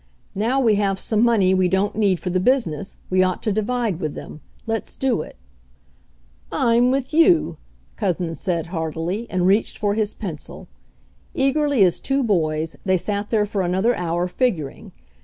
"Now we have some money we don't need for the business, we ought to divide with them. Let's do it" "I'm with you!" Couzens said heartily, and reached for his pencil. Eagerly as two boys, they sat there for another hour figuring.